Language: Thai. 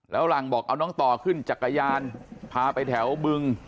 แล้วหลังบอกเอาน้องต่อขึ้นจักรยานพาไปแถวบึง